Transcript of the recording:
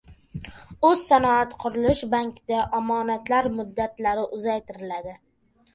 O‘zsanoatqurilishbankda omonatlar muddatlari uzaytiriladi